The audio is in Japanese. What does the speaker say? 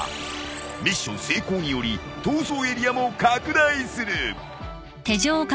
ミッション成功により逃走エリアも拡大する！